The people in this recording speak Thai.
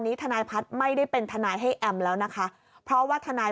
ทนายพัฒน์ไม่ได้เป็นทนายให้แอมแล้วนะคะเพราะว่าทนาย